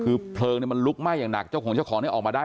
คือเพลิงมันลุกไหม้อย่างหนักเจ้าของเจ้าของเนี่ยออกมาได้